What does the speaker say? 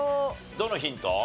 どのヒント？